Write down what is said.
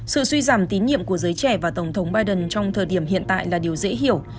sự suy giảm tín nhiệm của giới trẻ và tổng thống biden trong thời điểm hiện tại là điều dễ hiểu